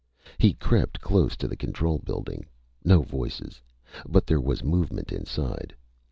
He crept close to the control building. No voices, but there was movement inside.